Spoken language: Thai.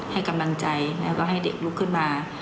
ให้กำลังใจแล้วก็ให้เด็กลุกขึ้นมา